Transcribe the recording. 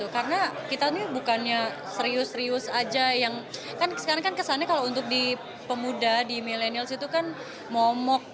karena kita ini bukannya serius serius aja yang kan sekarang kan kesannya kalau untuk di pemuda di milenials itu kan momok